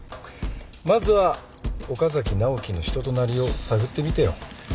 まずは岡崎直樹の人となりを探ってみてよ。